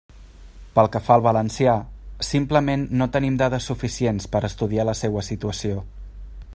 Pel que fa al valencià, simplement no tenim dades suficients per a estudiar la seua situació.